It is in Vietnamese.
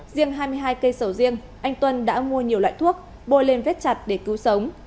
riêng hai mươi hai cây sầu riêng anh tuân đã mua nhiều loại thuốc bôi lên vết chặt để cứu sống